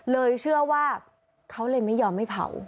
เลยเชื่อว่าเขาเลยไม่ยอมให้เผา